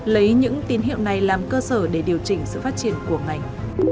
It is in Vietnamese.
lấy những tín hiệu này làm cơ sở để điều chỉnh sự phát triển của ngành